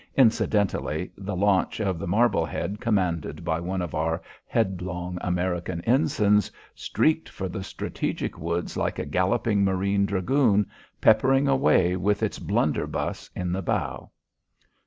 Incidentally the launch of the "Marblehead," commanded by one of our headlong American ensigns, streaked for the strategic woods like a galloping marine dragoon, peppering away with its blunderbuss in the bow.